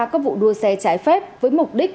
các vụ đua xe trái phép với mục đích